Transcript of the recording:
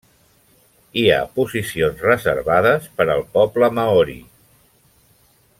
Hi ha posicions reservades per al poble maori.